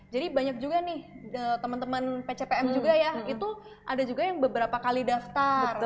jadi banyak juga nih teman teman pcpm juga ya itu ada juga yang beberapa kali daftar